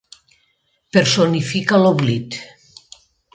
Personifica l'oblit.